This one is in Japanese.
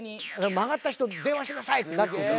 曲がった人電話してくださいってなってるんで。